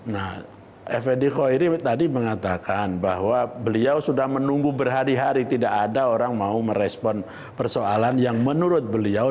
nah fnd hoiri tadi mengatakan bahwa beliau sudah menunggu berhari hari tidak ada orang mau merespon persoalan yang menurut beliau